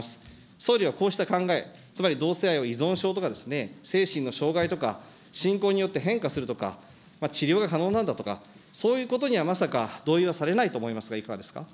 総理はこうした考え、つまり同性愛を依存症とか精神の障害とか、信仰によって変化するとか、治療が可能なんだとか、そういうことにはまさか、同意はされないと思いますが、いかがですか。